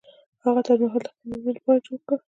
هغه تاج محل د خپلې میرمنې لپاره جوړ کړ.